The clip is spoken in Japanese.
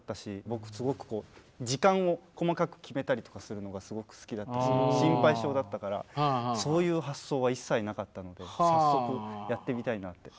僕すごくこう時間を細かく決めたりとかするのがすごく好きだったし心配性だったからそういう発想は一切なかったので早速やってみたいなって。